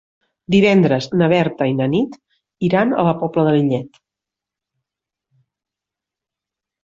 Divendres na Berta i na Nit iran a la Pobla de Lillet.